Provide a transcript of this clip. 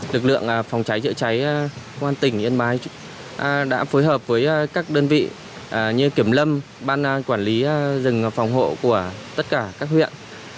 lực lượng phòng cháy chữa cháy công an tỉnh yên bái đã phối hợp với các đơn vị như kiểm lâm ban quản lý rừng phòng hộ của tất cả các huyện